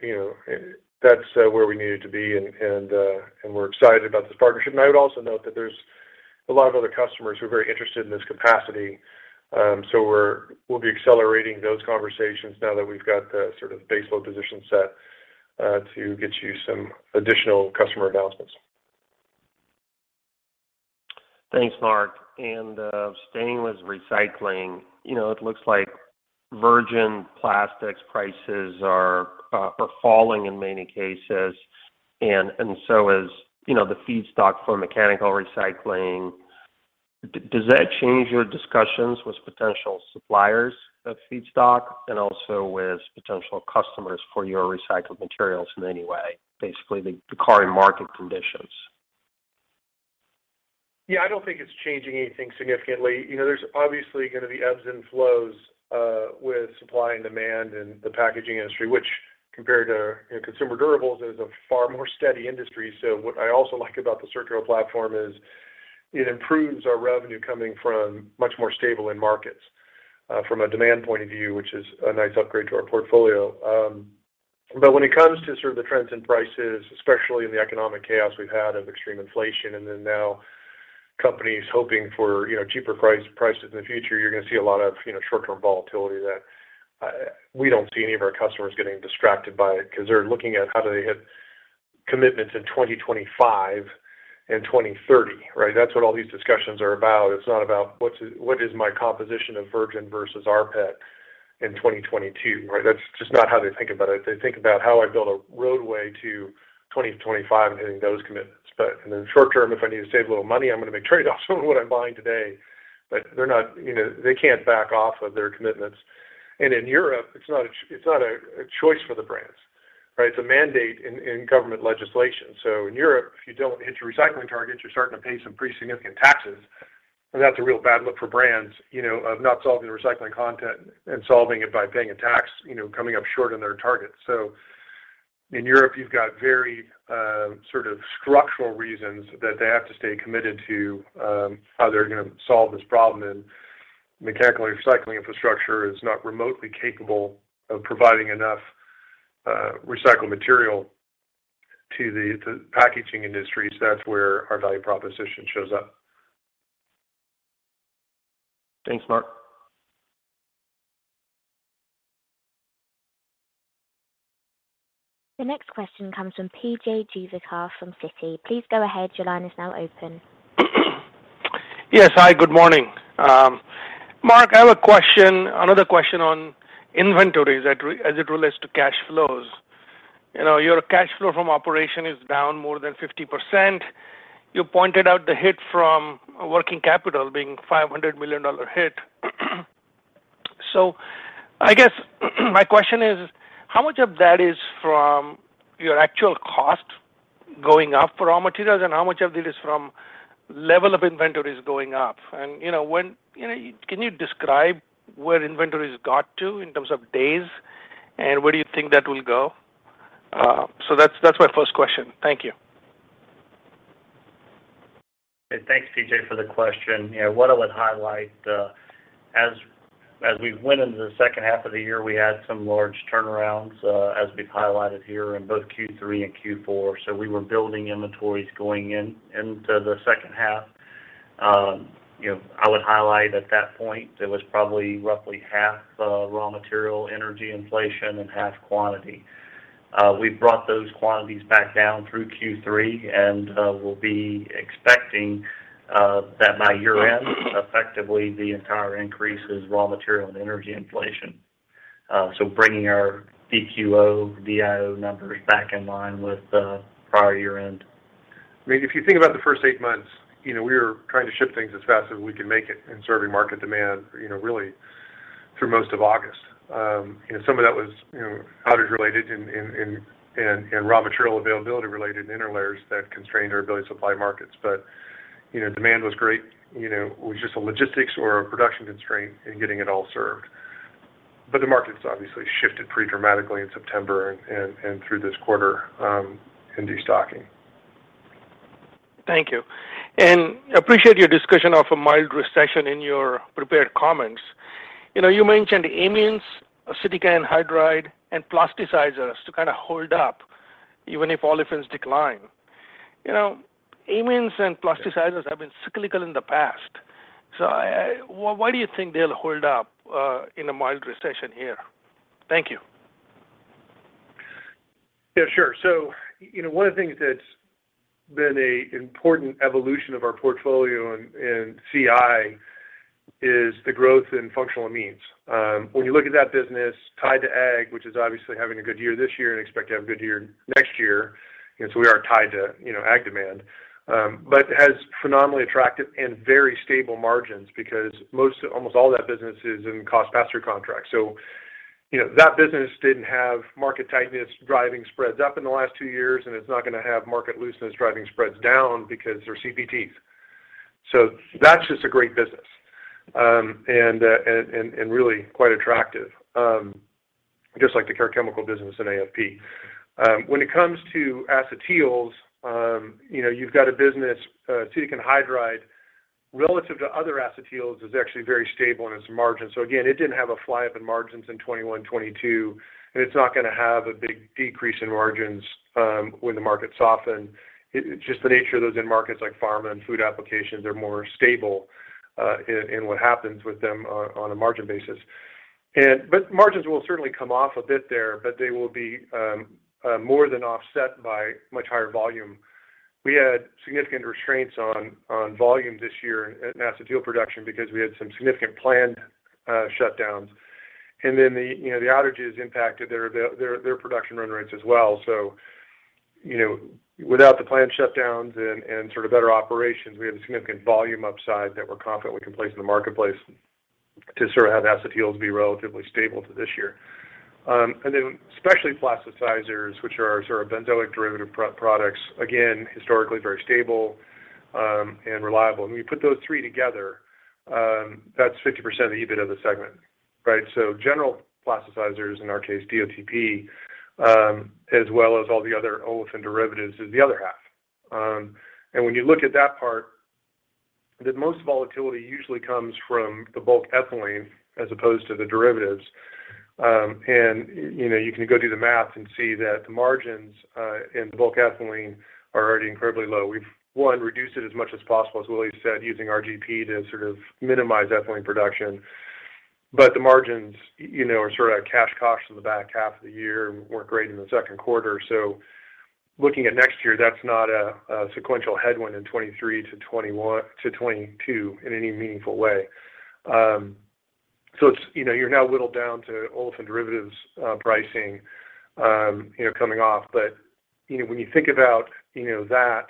you know, that's where we needed to be and we're excited about this partnership. I would also note that there's a lot of other customers who are very interested in this capacity. We'll be accelerating those conversations now that we've got the sort of base load position set, to get you some additional customer announcements. Thanks, Mark. Sustainable recycling, you know, it looks like virgin plastics prices are falling in many cases and so is, you know, the feedstock for mechanical recycling. Does that change your discussions with potential suppliers of feedstock and also with potential customers for your recycled materials in any way? Basically, the current market conditions. Yeah, I don't think it's changing anything significantly. You know, there's obviously gonna be ebbs and flows with supply and demand in the packaging industry, which compared to, you know, consumer durables, is a far more steady industry. What I also like about the circular platform is it improves our revenue coming from much more stable end markets from a demand point of view, which is a nice upgrade to our portfolio. When it comes to sort of the trends in prices, especially in the economic chaos we've had of extreme inflation and then now companies hoping for, you know, cheaper prices in the future, you're gonna see a lot of, you know, short-term volatility that we don't see any of our customers getting distracted by it 'cause they're looking at how do they hit commitments in 2025 and 2030, right? That's what all these discussions are about. It's not about what is my composition of virgin versus rPET in 2022, right? That's just not how they think about it. They think about how I build a roadmap to 2025 and hitting those commitments. In the short term, if I need to save a little money, I'm gonna make trade-offs on what I'm buying today. They're not, you know, they can't back off of their commitments. In Europe, it's not a choice for the brands, right? It's a mandate in government legislation. In Europe, if you don't hit your recycling targets, you're starting to pay some pretty significant taxes. That's a real bad look for brands, you know, of not solving the recycling content and solving it by paying a tax, you know, coming up short on their targets. In Europe, you've got very, sort of structural reasons that they have to stay committed to, how they're gonna solve this problem. Mechanical recycling infrastructure is not remotely capable of providing enough, recycled material to the packaging industries. That's where our value proposition shows up. Thanks, Mark. The next question comes from Prashant Juvekar from Citi. Please go ahead. Your line is now open. Yes. Hi, good morning. Mark, I have a question, another question on inventories as it relates to cash flows. You know, your cash flow from operation is down more than 50%. You pointed out the hit from working capital being $500 million dollar hit. I guess my question is, how much of that is from your actual cost going up for raw materials, and how much of it is from level of inventories going up? You know, can you describe where inventories got to in terms of days, and where do you think that will go? That's my first question. Thank you. Thanks, PJ, for the question. Yeah. What I would highlight, as we went into the second half of the year, we had some large turnarounds, as we've highlighted here in both Q3 and Q4. We were building inventories going into the second half. You know, I would highlight at that point, it was probably roughly half raw material energy inflation and half quantity. We've brought those quantities back down through Q3, and we'll be expecting that by year-end, effectively, the entire increase is raw material and energy inflation. Bringing our DQO-DIO numbers back in line with the prior year-end. I mean, if you think about the first eight months, you know, we were trying to ship things as fast as we could make them in serving market demand, you know, really through most of August. You know, some of that was, you know, outage related and raw material availability related and interlayers that constrained our ability to supply markets. You know, demand was great. You know, it was just a logistics or a production constraint in getting it all served. The markets obviously shifted pretty dramatically in September and through this quarter, in destocking. Thank you. Appreciate your discussion of a mild recession in your prepared comments. You know, you mentioned amines, acetic anhydride, and plasticizers to kind of hold up even if olefins decline. You know, amines and plasticizers have been cyclical in the past, so why do you think they'll hold up in a mild recession here? Thank you. Yeah, sure. You know, one of the things that's been an important evolution of our portfolio in CI is the growth in functional amines. When you look at that business tied to ag, which is obviously having a good year this year and expect to have a good year next year, we are tied to, you know, ag demand. It has phenomenally attractive and very stable margins because most of almost all that business is in cost pass-through contracts. You know, that business didn't have market tightness driving spreads up in the last two years, and it's not gonna have market looseness driving spreads down because they're CPT. that's just a great business, and really quite attractive, just like the care chemical business in AFP. When it comes to acetyls, you know, you've got a business, acetic anhydride relative to other acetyls is actually very stable in its margins. Again, it didn't have a fly up in margins in 2021, 2022, and it's not gonna have a big decrease in margins when the markets soften. It's just the nature of those end markets like pharma and food applications are more stable in what happens with them on a margin basis. But margins will certainly come off a bit there, but they will be more than offset by much higher volume. We had significant constraints on volume this year at our acetyl production because we had some significant planned shutdowns. Then the outages impacted their production run rates as well. You know, without the planned shutdowns and sort of better operations, we have a significant volume upside that we're confident we can place in the marketplace to sort of have acetyls be relatively stable to this year. Then especially plasticizers, which are our sort of benzoic derivative products, again, historically very stable and reliable. When we put those three together, that's 50% of the EBITDA of the segment, right? General plasticizers, in our case, DOTP, as well as all the other olefin derivatives is the other half. When you look at that part, the most volatility usually comes from the bulk ethylene as opposed to the derivatives. You know, you can go do the math and see that the margins in the bulk ethylene are already incredibly low. We have reduced it as much as possible, as Willie said, using RGP to sort of minimize ethylene production. The margins, you know, are sort of cash costs in the back half of the year and weren't great in the second quarter. Looking at next year, that's not a sequential headwind in 2023 to 2022 in any meaningful way. So it's, you know, you're now whittled down to olefin derivatives pricing, you know, coming off. You know, when you think about, you know, that,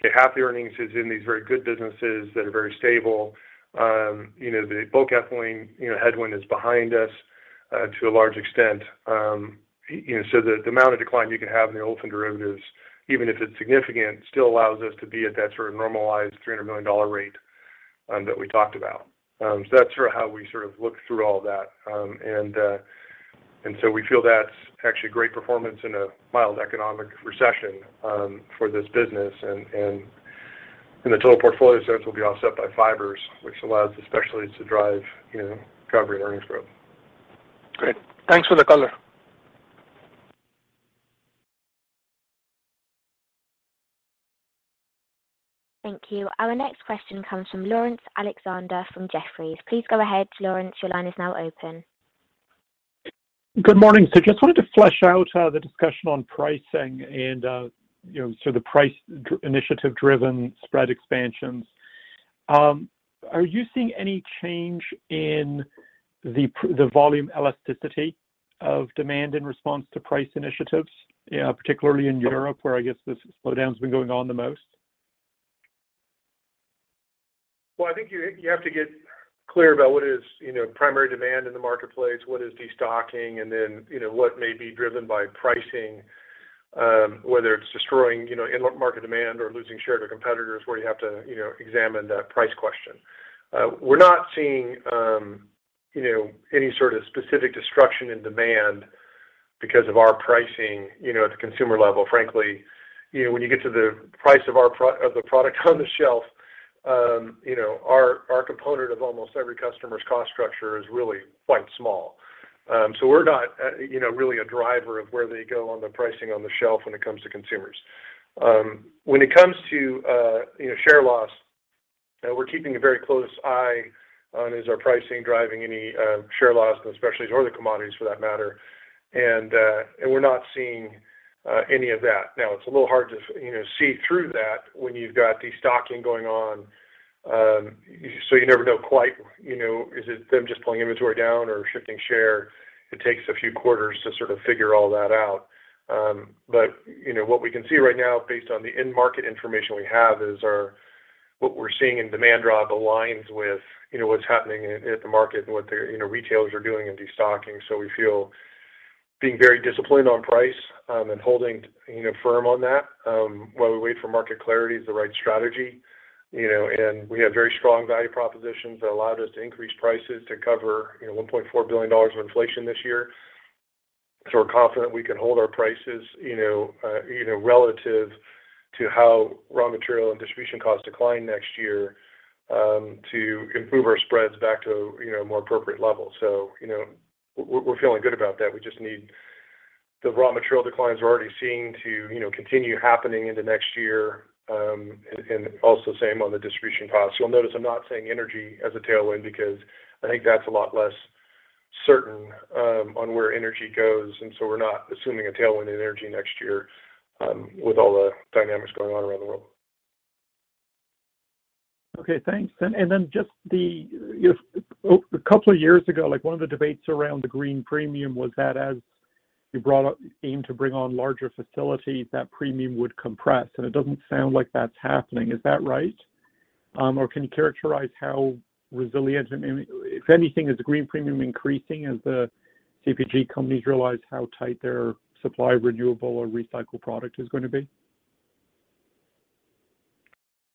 okay, half the earnings is in these very good businesses that are very stable. You know, the bulk ethylene headwind is behind us to a large extent. You know, the amount of decline you can have in the olefin derivatives, even if it's significant, still allows us to be at that sort of normalized $300 million rate that we talked about. That's sort of how we sort of look through all that. We feel that's actually great performance in a mild economic recession for this business. In the total portfolio sense, we'll be offset by fibers, which allows the specialties to drive, you know, recovery and earnings growth. Great. Thanks for the color. Thank you. Our next question comes from Laurence Alexander from Jefferies. Please go ahead, Laurence. Your line is now open. Good morning. Just wanted to flesh out the discussion on pricing and, you know, the price initiative-driven spread expansions. Are you seeing any change in the volume elasticity of demand in response to price initiatives, particularly in Europe, where I guess this slowdown's been going on the most? Well, I think you have to get clear about what is, you know, primary demand in the marketplace, what is destocking, and then, you know, what may be driven by pricing, whether it's destroying, you know, in-market demand or losing share to competitors where you have to, you know, examine that price question. We're not seeing, you know, any sort of specific destruction in demand because of our pricing, you know, at the consumer level. Frankly, you know, when you get to the price of the product on the shelf, you know, our component of almost every customer's cost structure is really quite small. We're not, you know, really a driver of where they go on the pricing on the shelf when it comes to consumers. When it comes to, you know, share loss, we're keeping a very close eye on is our pricing driving any share loss in the specialties or the commodities for that matter. We're not seeing any of that. Now, it's a little hard to, you know, see through that when you've got destocking going on, so you never know quite, you know, is it them just pulling inventory down or shifting share? It takes a few quarters to sort of figure all that out. What we can see right now based on the end market information we have is what we're seeing in demand drop aligns with, you know, what's happening at the market and what the, you know, retailers are doing in destocking. We feel being very disciplined on price, and holding, you know, firm on that, while we wait for market clarity is the right strategy. You know, we have very strong value propositions that allowed us to increase prices to cover, you know, $1.4 billion of inflation this year. We're confident we can hold our prices, you know, relative to how raw material and distribution costs decline next year, to improve our spreads back to, you know, more appropriate levels. You know, we're feeling good about that. We just need the raw material declines we're already seeing to, you know, continue happening into next year, and also same on the distribution costs. You'll notice I'm not saying energy as a tailwind because I think that's a lot less certain, on where energy goes, and so we're not assuming a tailwind in energy next year, with all the dynamics going on around the world. Okay, thanks. A couple of years ago, like, one of the debates around the green premium was that as you aimed to bring on larger facilities, that premium would compress, and it doesn't sound like that's happening. Is that right? Or can you characterize how resilient? If anything, is the green premium increasing as the CPG companies realize how tight their supply of renewable or recycled product is gonna be?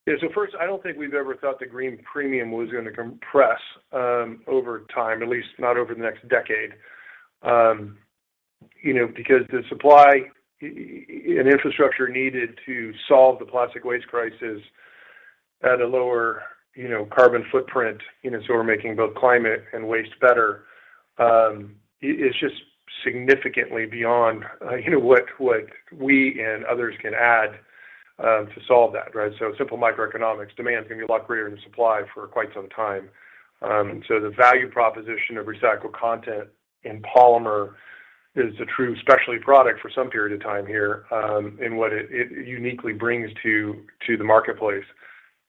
Yeah. First, I don't think we've ever thought the green premium was gonna compress over time, at least not over the next decade, you know, because the supply infrastructure needed to solve the plastic waste crisis at a lower, you know, carbon footprint, you know, so we're making both climate and waste better, is just significantly beyond, you know, what we and others can add to solve that, right? Simple microeconomics, demand's gonna be a lot greater than supply for quite some time. The value proposition of recycled content in polymer is a true specialty product for some period of time here, in what it uniquely brings to the marketplace.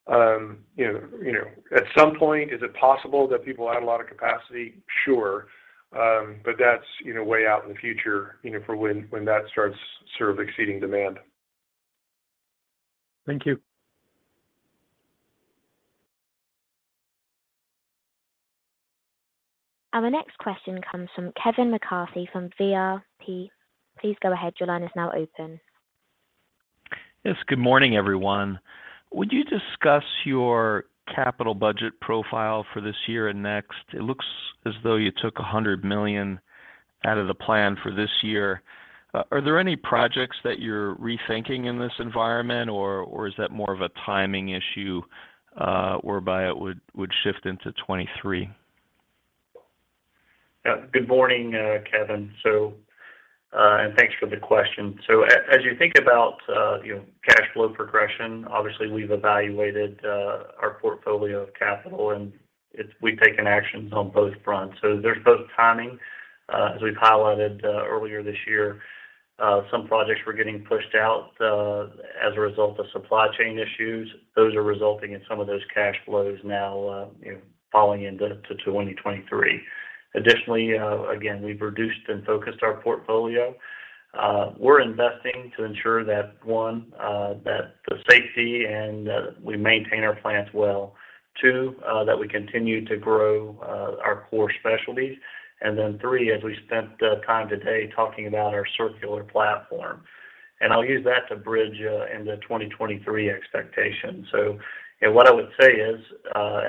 You know, at some point, is it possible that people add a lot of capacity? Sure. That's, you know, way out in the future, you know, for when that starts sort of exceeding demand. Thank you. Our next question comes from Kevin McCarthy from VRP. Please go ahead. Your line is now open. Yes. Good morning, everyone. Would you discuss your capital budget profile for this year and next? It looks as though you took $100 million out of the plan for this year. Are there any projects that you're rethinking in this environment, or is that more of a timing issue, whereby it would shift into 2023? Yeah. Good morning, Kevin. Thanks for the question. As you think about, you know, cash flow progression, obviously we've evaluated our portfolio of capital, and we've taken actions on both fronts. There's both timing, as we've highlighted, earlier this year. Some projects were getting pushed out, as a result of supply chain issues. Those are resulting in some of those cash flows now, you know, falling into 2023. Additionally, again, we've reduced and focused our portfolio. We're investing to ensure that, one, that the safety and we maintain our plants well. Two, that we continue to grow our core specialties. Three, as we spent time today talking about our circular platform. I'll use that to bridge into 2023 expectations. You know, what I would say is,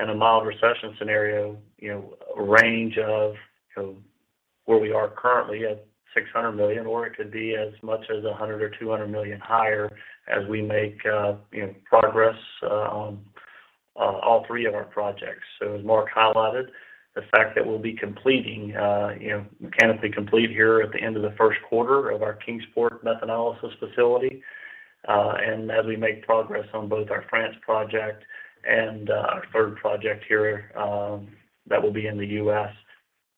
in a mild recession scenario, you know, range of, you know, where we are currently at $600 million, or it could be as much as $100 million or $200 million higher as we make, you know, progress on all three of our projects. As Mark highlighted, the fact that we'll be completing, you know, mechanically complete here at the end of the first quarter of our Kingsport Methanolysis facility. And as we make progress on both our France project and our third project here, that will be in the U.S.,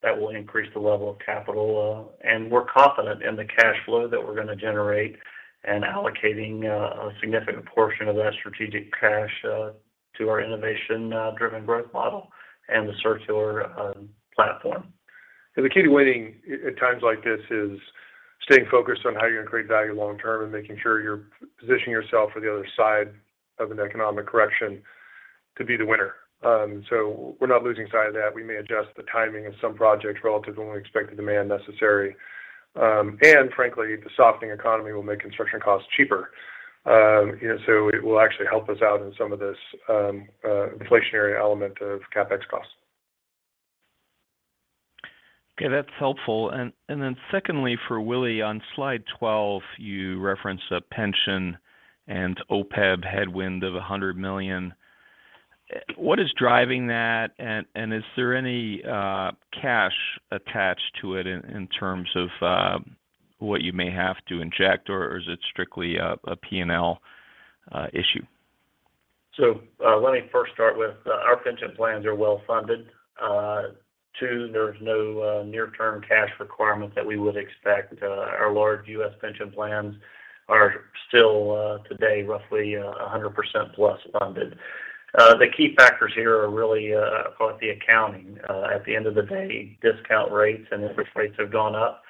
that will increase the level of capital. And we're confident in the cash flow that we're gonna generate and allocating a significant portion of that strategic cash to our innovation driven growth model and the circular platform. The key to winning at times like this is staying focused on how you're gonna create value long term and making sure you're positioning yourself for the other side of an economic correction to be the winner. So we're not losing sight of that. We may adjust the timing of some projects relative to when we expect the demand necessary. Frankly, the softening economy will make construction costs cheaper. You know, so it will actually help us out in some of this, inflationary element of CapEx costs. Okay, that's helpful. Secondly, for Willie, on slide 12, you referenced a pension and OPEB headwind of $100 million. What is driving that? Is there any cash attached to it in terms of what you may have to inject or is it strictly a P&L issue? Let me first start with our pension plans are well-funded. Two, there's no near-term cash requirement that we would expect. Our large U.S. pension plans are still today roughly 100% plus funded. The key factors here are really call it the accounting. At the end of the day, discount rates and interest rates have gone up,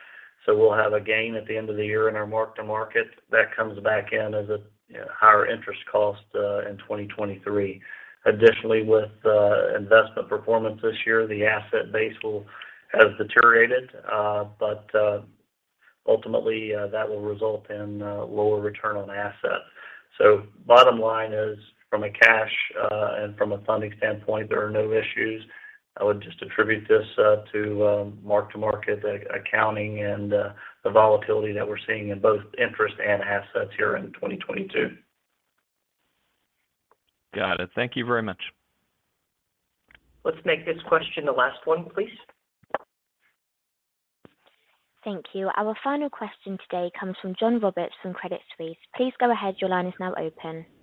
so we'll have a gain at the end of the year in our mark-to-market that comes back in as a you know higher interest cost in 2023. Additionally, with investment performance this year, the asset base has deteriorated but ultimately that will result in lower return on assets. Bottom line is from a cash and from a funding standpoint, there are no issues. I would just attribute this to mark-to-market accounting and the volatility that we're seeing in both interest and assets here in 2022. Got it. Thank you very much. Let's make this question the last one, please. Thank you. Our final question today comes from John Roberts from Credit Suisse. Please go ahead. Your line is now open. Thank you.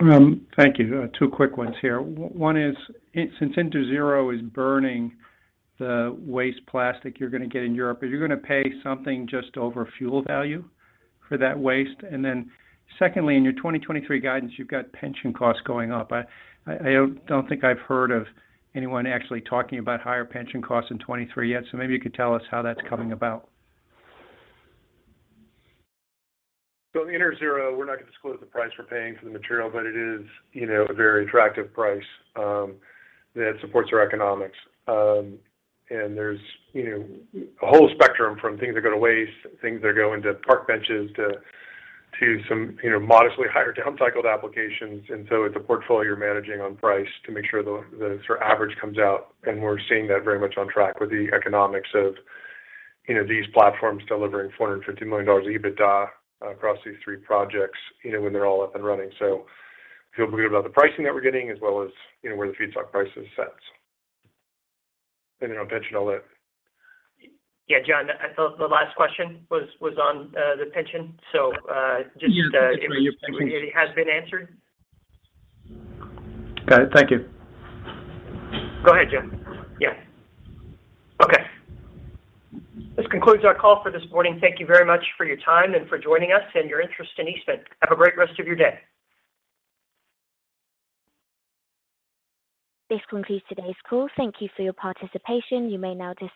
Two quick ones here. One is, since Interzero is burning the waste plastic you're gonna get in Europe, are you gonna pay something just over fuel value for that waste? And then secondly, in your 2023 guidance, you've got pension costs going up. I don't think I've heard of anyone actually talking about higher pension costs in 2023 yet, so maybe you could tell us how that's coming about. On the Interzero, we're not gonna disclose the price we're paying for the material, but it is, you know, a very attractive price that supports our economics. There's, you know, a whole spectrum from things that go to waste, things that go into park benches to some, you know, modestly higher downcycled applications. It's a portfolio you're managing on price to make sure the sort of average comes out. We're seeing that very much on track with the economics of, you know, these platforms delivering $450 million EBITDA across these three projects, you know, when they're all up and running. I feel good about the pricing that we're getting as well as, you know, where the feedstock price is set. On pension, I'll let- Yeah, John, I thought the last question was on the pension. Just, Yeah. It has been answered. Got it. Thank you. Go ahead, John. Yeah. Okay. This concludes our call for this morning. Thank you very much for your time and for joining us and your interest in Eastman. Have a great rest of your day. This concludes today's call. Thank you for your participation. You may now disconnect.